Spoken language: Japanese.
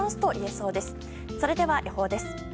それでは、予報です。